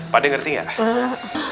pak de ngerti gak